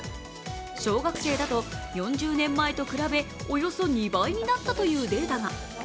小学生だと４０年前と比べおよそ２倍になったというデータが。